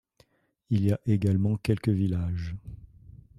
Il y a également quelques villages.